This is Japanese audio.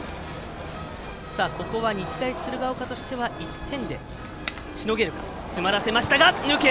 ここは日大鶴ヶ丘としては１点でしのげるか。